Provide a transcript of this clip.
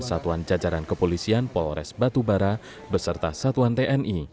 satuan cacaran kepolisian polores batubara beserta satuan tni